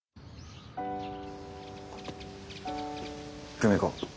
久美子